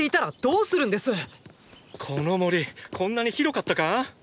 この森こんなに広かったか？